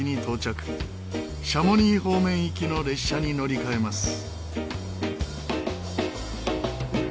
シャモニー方面行きの列車に乗り換えます。